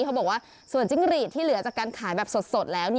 เขาบอกว่าส่วนจิ้งหรีดที่เหลือจากการขายแบบสดแล้ว